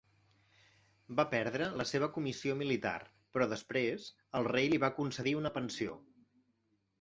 Va perdre la seva comissió militar, però després el rei li va concedir una pensió.